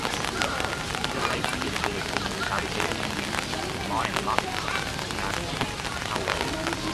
In that race he defeated the Republican nominee Matt Towery.